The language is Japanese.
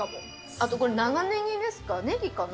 あと、これ長ネギですか、ネギかな？